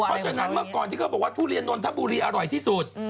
เพราะฉะนั้นเมื่อก่อนที่เขาบอกว่าทุเรียนนนทบุรีอร่อยที่สุด